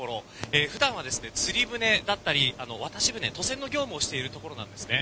普段は、釣り船だったり渡し船、渡船の業務をしているところです。